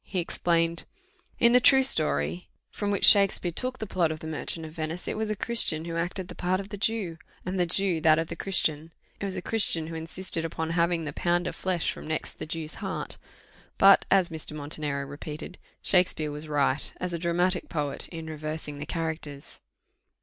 He explained. "In the true story, [Footnote: See Stevens' Life of Sixtus V., and Malone's Shakspeare.] from which Shakspeare took the plot of the Merchant of Venice, it was a Christian who acted the part of the Jew, and the Jew that of the Christian; it was a Christian who insisted upon having the pound of flesh from next the Jew's heart. But," as Mr. Montenero repeated, "Shakspeare was right, as a dramatic poet, in reversing the characters."